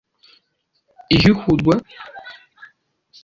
ihihurwa nicyuma cyangwa indirection iyo mitekerereze